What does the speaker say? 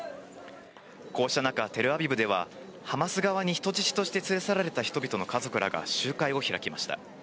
こうした中、テルアビブではハマス側に人質として連れ去られた人々の家族らが集会を開きました。